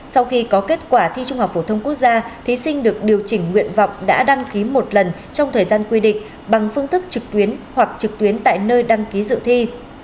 sau khi có kết quả thi trung học phổ thông quốc gia thí sinh được điều chỉnh nguyện vọng đã đăng ký một lần trong thời gian quy định bằng phương thức trực tuyến hoặc trực tuyến tại nơi đăng ký dự thi